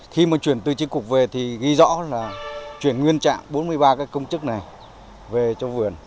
khi mà chuyển từ tri cục về thì ghi rõ là chuyển nguyên trạng bốn mươi ba các công chức này về cho vườn